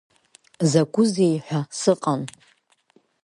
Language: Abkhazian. Закәызеи ҳәа сыҟан.